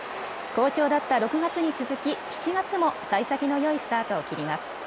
好調だった６月に続き７月もさい先のよいスタートを切ります。